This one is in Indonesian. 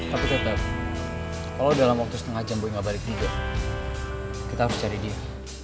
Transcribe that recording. tapi tetep kalo dalam waktu setengah jam boy gak balik tidur kita harus cari dia